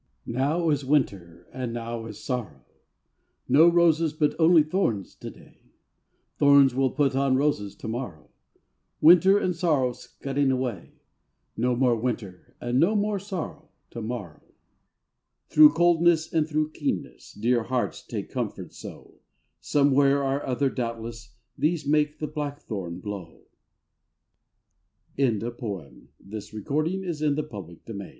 Now is winter and now is sorrow, No roses but only thorns to day : Thorns will put on roses to morrow, Winter and sorrow scudding away. No more winter and no more sorrow To morrow. Through coldness and through keenness, Dear hearts, take comfort so ; Somewhere or other doubtless, These make the blackthorn blow. HOMEW